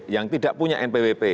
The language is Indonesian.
yang tidak punya npwp